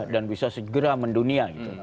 dan bisa segera mendunia gitu